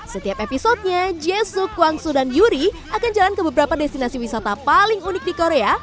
setiap episodnya jae suk kwang soo dan yuri akan jalan ke beberapa destinasi wisata paling unik di dunia